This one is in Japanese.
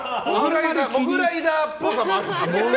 モグライダーっぽさもあるし。